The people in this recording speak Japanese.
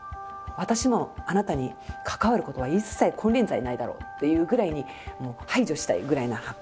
私もあなたに関わることは一切金輪際ないだろうっていうぐらいに排除したいぐらいな箱。